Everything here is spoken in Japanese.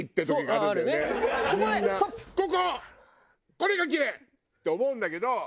これがキレイ！って思うんだけど。